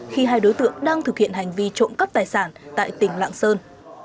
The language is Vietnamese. khi hai đối tượng đang thực hiện hành vi trộm cắp tài sản tại tỉnh lạng sơn